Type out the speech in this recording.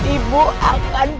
ibu akan balas dendam putri